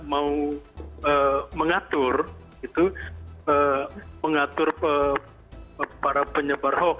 mau mengatur mengatur para penyebar hoax